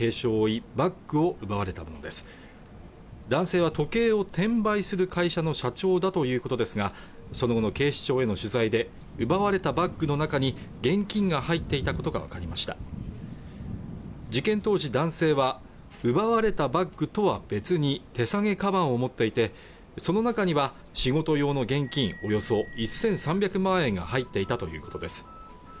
男性は時計を転売する会社の社長だということですがその後の警視庁への取材で奪われたバッグの中に現金が入っていたことが分かりました事件当時男性は奪われたバッグとは別に手提げかばんを持っていてその中には仕事用の現金およそ１３００万円が入っていたということです